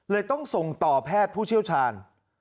ต้องส่งต่อแพทย์ผู้เชี่ยวชาญ